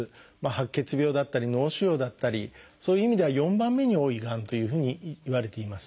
白血病だったり脳腫瘍だったりそういう意味では４番目に多いがんというふうにいわれています。